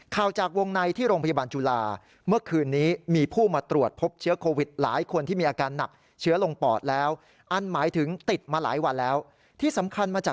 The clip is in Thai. ข่าวจากวงในที่โรงพยาบาลจุฬา